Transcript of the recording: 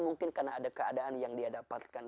mungkin karena ada keadaan yang diadapatkan